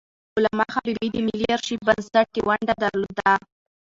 علامه حبيبي د ملي آرشیف بنسټ کې ونډه درلودله.